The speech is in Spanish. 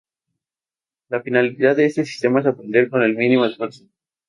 La finalidad de este sistema es aprender con el mínimo esfuerzo.